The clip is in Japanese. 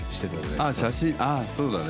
ああ、そうだね。